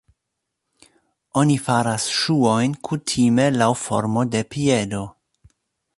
Oni faras ŝuojn kutime laŭ formo de piedo.